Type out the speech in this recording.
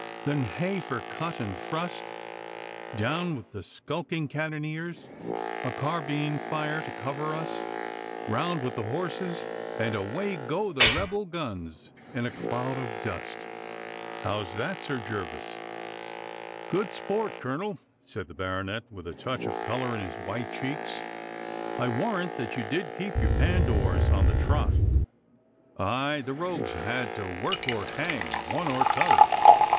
Then heh for cut and thrust, down with the skulking cannoniers, a carbine fire to cover us, round with the horses, and away go the rebel guns in a cloud of dust! How's that, Sir Gervas?' 'Good sport, Colonel,' said the baronet, with a touch of colour in his white cheeks. 'I warrant that you did keep your Pandours on the trot.' 'Aye, the rogues had to work or hang one or t'other.